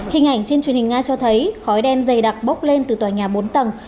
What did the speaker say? hình ảnh trên truyền hình nga cho thấy khói đen dày đặc bốc lên từ tòa nhà bốn tầng